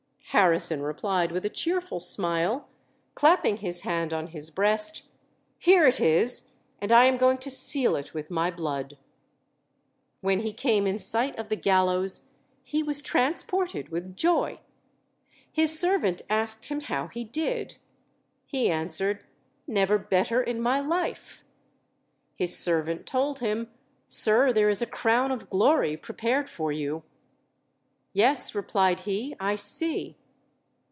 Harrison replied with a cheerful smile, clapping his hand on his breast, "Here it is, and I am going to seal it with my blood." When he came in sight of the gallows he was transported with joy; his servant asked him how he did? He answered, "Never better in my life." His servant told him, "Sir, there is a crown of glory prepared for you." "Yes," replied he, "I see."